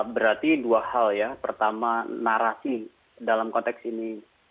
berarti dua hal ya pertama narasi dalam konteks ini